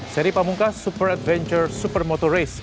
seri pamungkas super adventure supermoto race